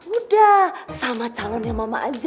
udah sama calonnya mama aja